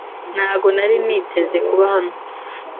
Ntabwo nari niteze kuba hano .